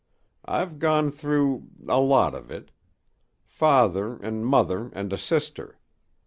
"I've gone through a lot of it. Father an' mother and a sister.